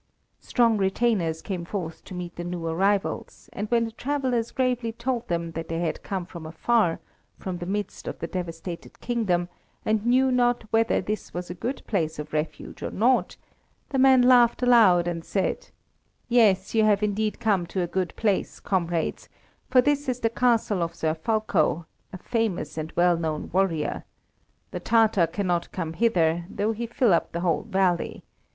Strong retainers came forth to meet the new arrivals, and when the travellers gravely told them that they had come from afar, from the midst of the devastated kingdom, and knew not whether this was a good place of refuge or not, the men laughed aloud and said: "Yes, you have indeed come to a good place, comrades, for this is the castle of Sir Fulko, a famous and well known warrior. The Tatar cannot come hither, though he fill up the whole valley.